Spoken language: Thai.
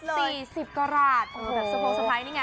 แบบสะพงสะพายนี่ไง